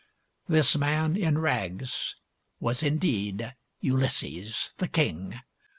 This man in rags was indeed Ulysses, the king.